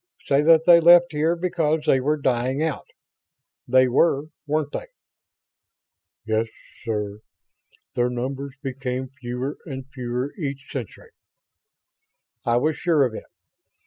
Say that they left here because they were dying out. They were, weren't they?" "Yes, sir. Their numbers became fewer and fewer each century." "I was sure of it.